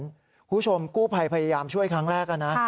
คุณผู้ชมกู้ภัยพยายามช่วยครั้งแรกนะ